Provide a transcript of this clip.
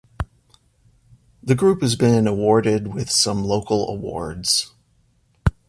The group has been awarded with some local awards.